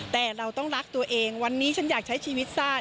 แต่เราต้องรักตัวเองวันนี้ฉันอยากใช้ชีวิตซ่า